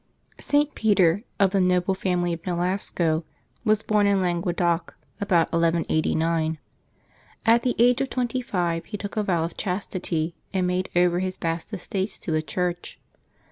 [t. Peter, of the noble family of Nolasco, was born in Languedoc, about 1189. At the age of twenty five he took a vow of chastity, and made over his vast estates to the Church.